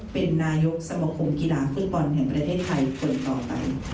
เป็นนายกสมคมกีฬาฟุตบอลแห่งประเทศไทยคนต่อไป